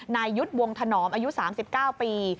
นายยุทธ์วงถนอมอายุ๓๙ปี